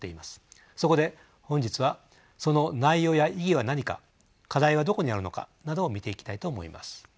そこで本日はその内容や意義は何か課題はどこにあるのかなどを見ていきたいと思います。